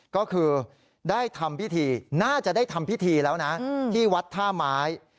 ก็คือได้ทำพิธีน่าจะได้ทำพิธีแล้วนะที่วัดท่าไม้